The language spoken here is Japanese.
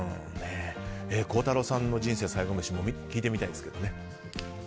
孝太郎さんの人生最後メシも聞いてみたいですけどね。